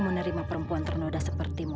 menerima perempuan ternoda sepertimu